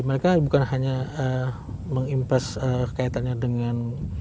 mereka bukan hanya meng invest kaitannya dengan